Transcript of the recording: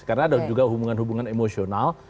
karena ada juga hubungan hubungan emosional